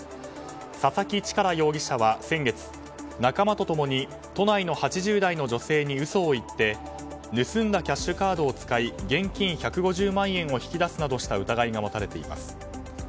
佐々木主税容疑者は先月仲間と共に都内の８０代の女性に嘘を言って盗んだキャッシュカードを使い現金１５０万円を引き出すなどした疑いが持たれています。